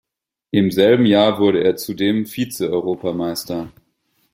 Im selben Jahr wurde er zudem Vize-Europameister.